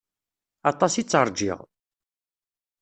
Aṭas i tt-rjiɣ.